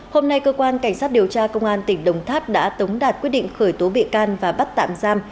hôm nay cơ quan cảnh sát điều tra công an tỉnh đồng tháp đã tống đạt quyết định khởi tố bị can và bắt tạm giam